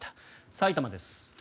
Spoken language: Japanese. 埼玉です。